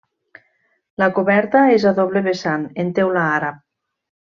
La coberta és a doble vessant en teula àrab.